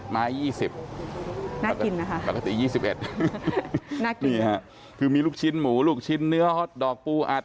ไม้๒๐น่ากินนะคะปกติ๒๑น่ากินนี่ค่ะคือมีลูกชิ้นหมูลูกชิ้นเนื้อฮอตดอกปูอัด